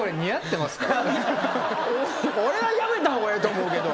俺はやめた方がええと思うけど。